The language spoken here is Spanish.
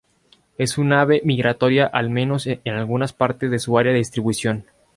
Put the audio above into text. Es un ave migratoria al menos en algunas parte de su área de distribución.